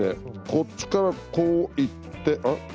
こっちからこう行ってうん？